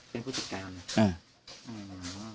เป็นผู้จัดการ